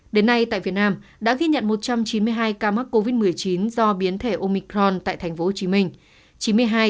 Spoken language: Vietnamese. đến nay tại việt nam đã ghi nhận một trăm chín mươi hai ca mắc covid một mươi chín do biến thể omicron tại tp hcm